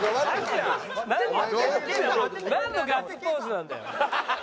なんのなんのガッツポーズなんだよ？